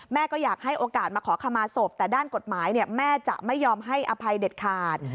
ก็อยากให้โอกาสมาขอขมาศพแต่ด้านกฎหมายแม่จะไม่ยอมให้อภัยเด็ดขาด